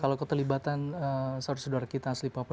kalau keterlibatan saudara saudara kita asli papua